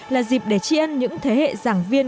là dịp để chiến những thế hệ giảng viên